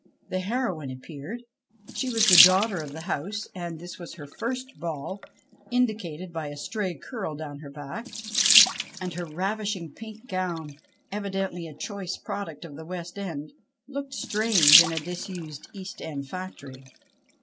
The heroine appeared (she was the daughter of the house, and this was her first ball — indicated by a stray curl down her back), and her ravishing pink gown, evidently a choice product of the West end, looked strange in a disused East end factory.